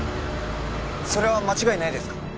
それは間違いないですか？